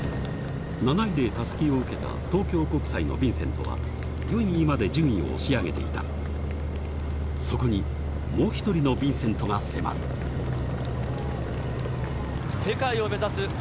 ７位で襷を受けた東京国際のヴィンセントは４位まで順位を押し上げていたそこにもう一人のヴィンセントが迫る世界を目指す